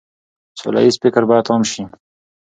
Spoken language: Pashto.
سوله ييز فکر بايد عام شي.